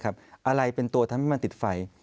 อะไรเป็นตัวทำให้มันติดไฟ